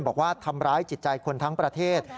บอกว่าทำร้ายจิตใจคนทั้งประเทศ